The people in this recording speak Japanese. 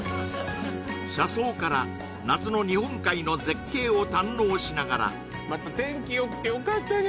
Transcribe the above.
車窓から夏の日本海の絶景を堪能しながらまた天気よくてよかったね